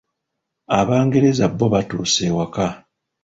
Abangereza bo batuuse ewaka.